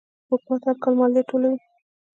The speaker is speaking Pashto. حکومت هر کال مالیه ټولوي.